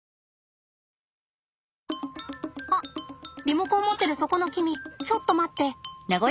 あリモコン持ってるそこの君ちょっと待って。